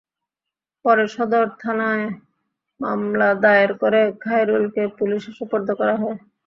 পরে সদর থানায় মামলা দায়ের করে খাইরুলকে পুলিশে সোপর্দ করা হয়।